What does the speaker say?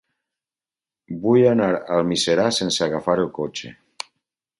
Vull anar a Almiserà sense agafar el cotxe.